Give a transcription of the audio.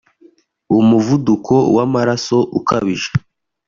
umuvuduko w’amaraso ukabije